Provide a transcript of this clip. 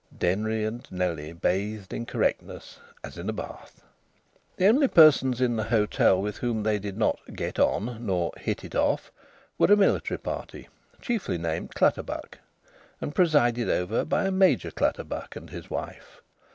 Denry and Nellie bathed in correctness as in a bath. The only persons in the hotel with whom they did not "get on" nor "hit it off" were a military party, chiefly named Clutterbuck, and presided over by a Major Clutterbuck and his wife.